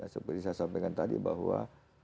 seperti saya sampaikan tadi bahwa